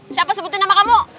siapa sebutin nama kamu